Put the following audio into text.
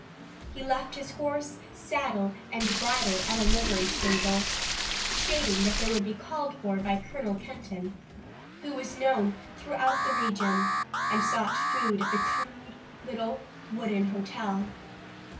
He left his horse, saddle and bridle at a livery stable, stating that they would be called for by Colonel Kenton, who was known throughout the region, and sought food at the crude little wooden hotel.